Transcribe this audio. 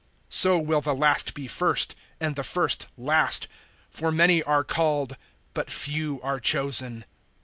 (16)So will the last be first, and the first last; for many are called, but few are chosen.